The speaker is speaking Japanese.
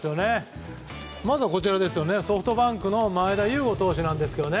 まずはソフトバンクの前田悠伍投手。